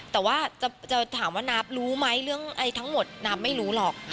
แต่ว่าจะถามว่านับรู้ไหมเรื่องอะไรทั้งหมดนับไม่รู้หรอก